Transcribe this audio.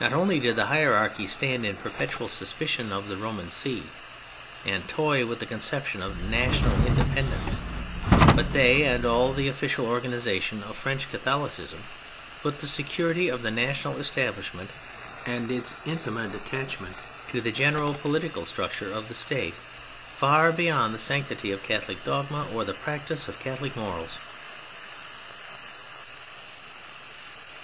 Not only did the hierarchy stand in a perpetual suspicion of the Roman See, and toy with the conception of national independence, but they, and all the official organisation of French Catholicism, put the security of the national establishment and its intimate attachment to the general political structure of the State, far beyond the sanctity of Catholic dogma or the practice of Catholic morals.